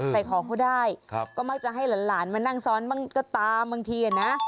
ใส่ของเขาได้ก็มักจะให้หลานมานั่งซ้อนบ้างก็ตามบางทีนะ